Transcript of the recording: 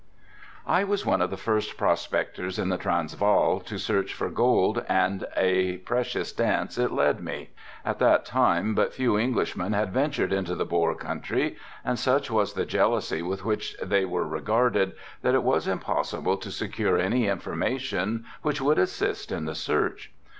I was one of the first prospectors in the Transval to search for gold and a precious dance it lead me. At that time but few Englishmen had ventured into the Boer country and such was the jealousy with which they were regarded that it was impossible to secure any information which would assist in the search.